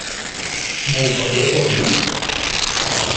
Montre le horion?